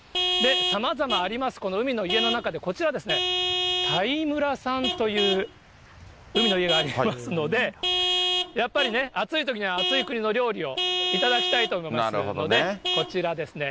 さまざまあります、この海の家の中でこちら、タイ村さんという海の家がありますので、やっぱりね、暑いときには暑い国の料理を頂きたいと思いますので、こちらですね。